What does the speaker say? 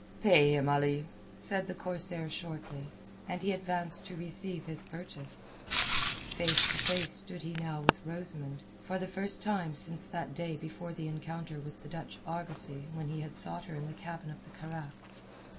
"Pay him, Ali," said the corsair shortly, and he advanced to receive his purchase. Face to face stood he now with Rosamund, for the first time since that day before the encounter with the Dutch argosy when he had sought her in the cabin of the carack.